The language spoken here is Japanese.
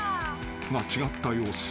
［が違った様子］